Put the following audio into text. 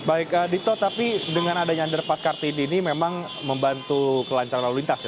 baik dito tapi dengan adanya underpass kartini ini memang membantu kelancaran lalu lintas ya